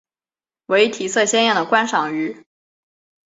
为体色鲜艳的观赏鱼。